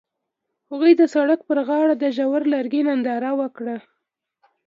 هغوی د سړک پر غاړه د ژور لرګی ننداره وکړه.